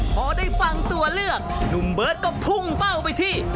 พอได้ฟังตัวเลือกหนุ่มเบิร์ตก็พุ่งเป้าไปที่